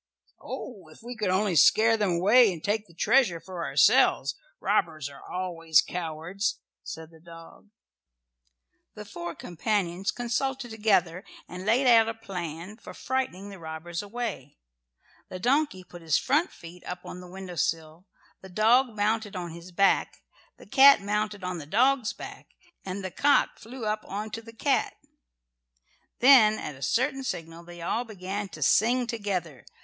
"Oh, if we could only scare them away and take the treasure for ourselves! Robbers are always cowards," said the dog. The four companions consulted together and laid out a plan for frightening the robbers away. The donkey put his front feet up on the windowsill, the dog mounted on his back, the cat mounted on the dog's back, and the cock flew up on to the cat. Then at a certain signal they all began to sing together.